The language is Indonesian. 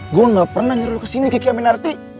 gue gak pernah nyuruh lo kesini kiki aminarti